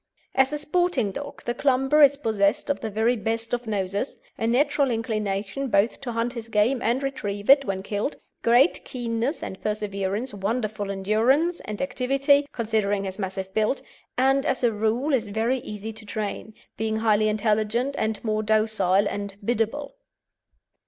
As a sporting dog, the Clumber is possessed of the very best of noses, a natural inclination both to hunt his game and retrieve it when killed, great keenness and perseverance wonderful endurance and activity considering his massive build, and as a rule is very easy to train, being highly intelligent and more docile and "biddable."